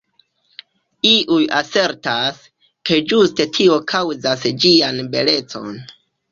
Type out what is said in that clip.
Iuj asertas, ke ĝuste tio kaŭzas ĝian belecon.